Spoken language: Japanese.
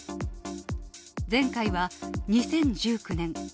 前回は２０１９年。